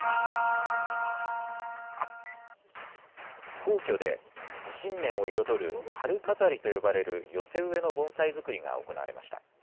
皇居で、新年を彩る春飾りと呼ばれる、寄せ植えの盆栽作りが行われました。